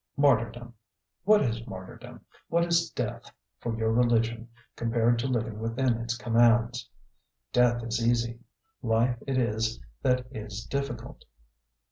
Martyrdom what is martyrdom, what is death, for your religion, compared to living within its commands? Death is easy; life it is that is difficult.